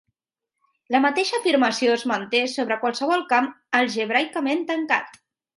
La mateixa afirmació es manté sobre qualsevol camp algebraicament tancat.